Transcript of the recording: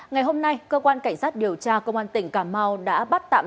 ngày hôm nay cơ quan cảnh sát điều tra công an tỉnh cà mau đã bắt tạm